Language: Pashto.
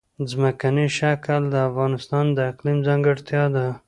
ځمکنی شکل د افغانستان د اقلیم ځانګړتیا ده.